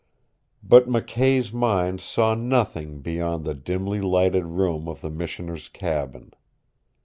But McKay's mind saw nothing beyond the dimly lighted room of the Missioner's cabin.